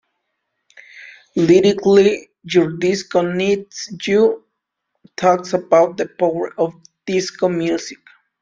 Lyrically, "Your Disco Needs You" talks about the power of disco music.